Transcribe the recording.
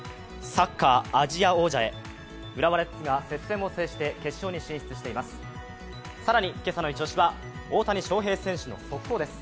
サッカーアジア王者へ、浦和レッズが接戦を制して決戦に進んでいます。